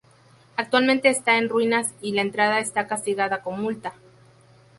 Actualmente está en ruinas y la entrada está castigada con multa.